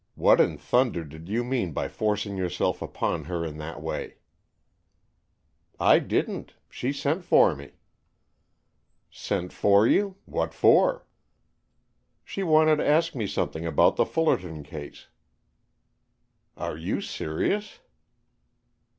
What in thunder did you mean by forcing yourself upon her in that way?" "I didn't. She sent for me." "Sent for you? What for?" "She wanted to ask me something about the Fullerton case." "Are you serious?"